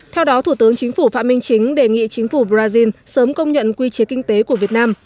theo đó thủ tướng chính phủ phạm minh chính đề nghị chính phủ brazil sớm công nhận quy chế kinh tế của việt nam